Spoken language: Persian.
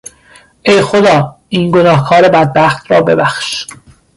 ای خدا این گنهکار بدبخت را ببخش!